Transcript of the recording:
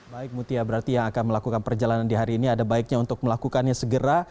baik mutia berarti yang akan melakukan perjalanan di hari ini ada baiknya untuk melakukannya segera